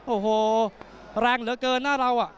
โอ้โหแรงเหลือเกินหน้าเราอ่ะ